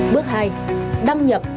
bước hai đăng nhập